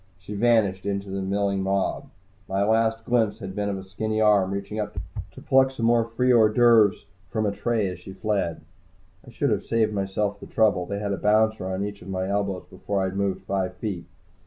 She vanished into the milling mob. My last glimpse had been of a skinny arm reaching up to pluck some more free hors d'oeuvres from a tray as she fled. I should have saved myself the trouble. They had a bouncer on each of my elbows before I had moved five feet.